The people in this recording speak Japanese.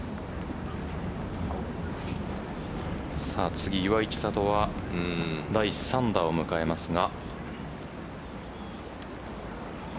次、岩井千怜は第３打を迎えますが。